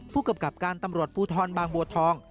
ผู้กำกับการตำรวจภูทรบางบัวทอง